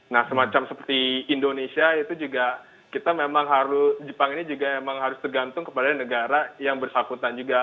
nah semacam seperti indonesia itu juga kita memang harus jepang ini juga memang harus tergantung kepada negara yang bersangkutan juga